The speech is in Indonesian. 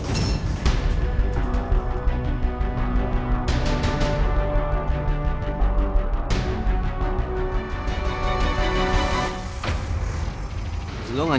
gak ada isu kalian